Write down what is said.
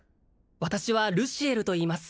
私はルシエルといいます